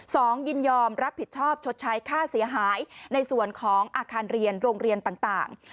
ยินยอมรับผิดชอบชดใช้ค่าเสียหายในส่วนของอาคารเรียนโรงเรียนต่าง